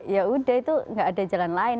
ya udah itu nggak ada jalan lain